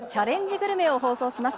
グルメを放送します。